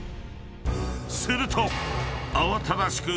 ［すると］